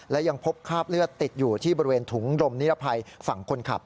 และยังพบคราบเลือดติดอยู่ที่บริเวณถุงดมนิรภัยฝั่งคนขับ